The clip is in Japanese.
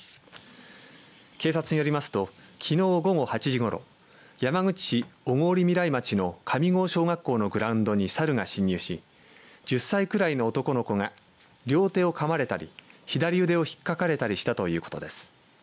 警察によりますときのう午後８時ごろ山口市小郡みらい町の上郷小学校のグラウンドにサルが侵入し１０歳くらいの男の子が両手をかまれたり左腕をひっかかれたりしたということです。